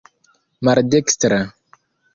maldekstra